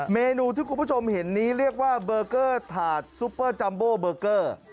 เมนูที่คุณผู้ชมเห็นนี้เรียกว่าเบอร์เกอร์ถาดซุปเปอร์จัมโบเบอร์เกอร์